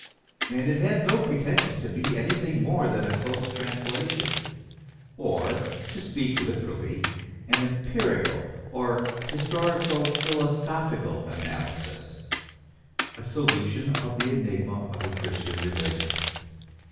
And it has no pretension to be anything more than a close translation, or, to speak literally, an empirical or historico philosophical analysis, a solution of the enigma of the Christian religion.